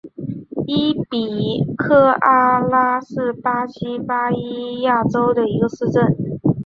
伊比科阿拉是巴西巴伊亚州的一个市镇。